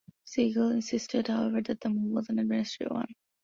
Segal insisted, however, that the move was an administrative one.